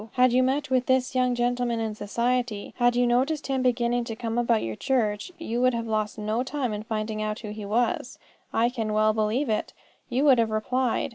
Had you met with this young gentleman in society, had you noticed him beginning to come about your church, you would have lost no time in finding out who he was. I can well believe it, you would have replied.